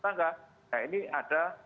nah ini ada